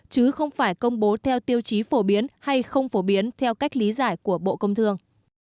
chứ không phải công bố theo tiêu chí phổ biến hay không phổ biến theo cách lý giải của bộ công thương